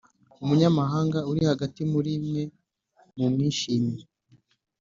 umunyamahanga uri hagati muri mwe mu mwishimire